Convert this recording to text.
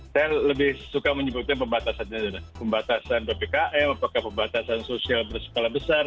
saya lebih suka menyebutnya pembatasan ppkm apakah pembatasan sosial berskala besar